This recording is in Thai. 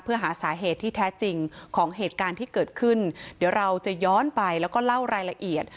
เพื่อหาสาเหตุที่แท้จริงของเหตุการณ์ที่เกิดขึ้นเดี๋ยวเราจะย้อนไปแล้วก็เล่ารายละเอียด